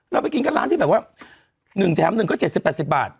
เราไปกินกับร้านที่แบบว่า๑แถม๑ก็๗๐๘๐บาท